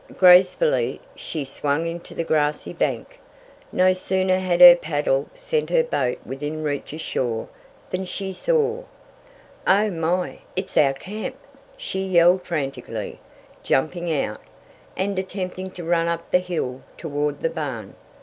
Gracefully she swung into the grassy bank. No sooner had her paddle sent her boat within reach of shore than she saw "Oh, my! It is our camp!" she yelled frantically, jumping out, and attempting to run up the hill toward the barn.